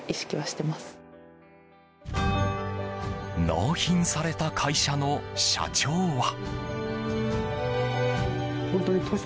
納品された会社の社長は。